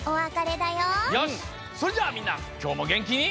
よしそれじゃあみんなきょうもげんきに。